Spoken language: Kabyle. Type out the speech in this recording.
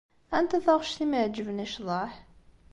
Anta taɣect i m-iɛeǧben i ccḍeḥ?